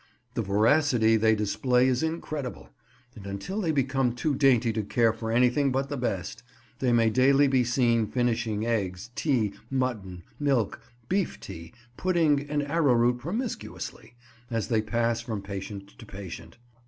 The voracity they display is incredible, and until they become too dainty to care for anything but the best, they may daily be seen finishing eggs, tea, mutton, milk, beef tea, pudding, and arrowroot promiscuously, as they pass from patient to patient.